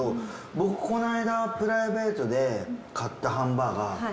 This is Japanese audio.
僕この間プライベートで買ったハンバーガー。